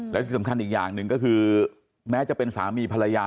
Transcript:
และที่สำคัญอีกอย่างหนึ่งก็คือแม้จะเป็นสามีภรรยา